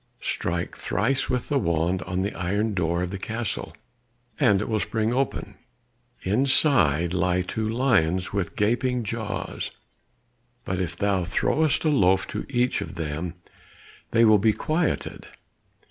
Strike thrice with the wand on the iron door of the castle and it will spring open: inside lie two lions with gaping jaws, but if thou throwest a loaf to each of them, they will be quieted.